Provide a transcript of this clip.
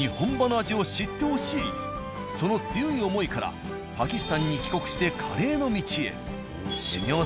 その強い思いからパキスタンに帰国してカレーの道へ。